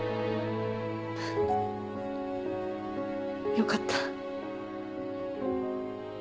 よかった。